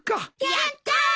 やったあ！